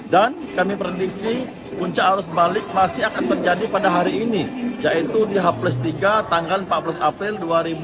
dan kami prediksi kuncak arus balik masih akan terjadi pada hari ini yaitu di haples tiga tanggal empat belas april dua ribu dua puluh empat